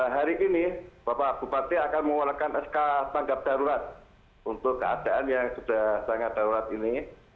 hari ini bapak bupati akan mengeluarkan sk tanggap darurat untuk keadaan yang sudah sangat darurat ini